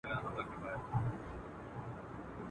لا لرمه څو خبري اورېدو ته که څوک تم سي.